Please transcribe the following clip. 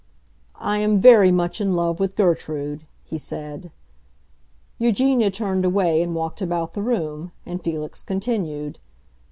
"I am very much in love with Gertrude," he said. Eugenia turned away and walked about the room, and Felix continued.